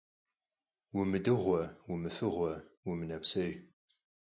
Умыдыгъуэ, умыфыгъуэ, умынэпсей.